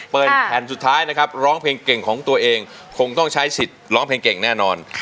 แผ่นสุดท้ายนะครับร้องเพลงเก่งของตัวเองคงต้องใช้สิทธิ์ร้องเพลงเก่งแน่นอน